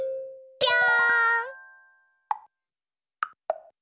ぴょん！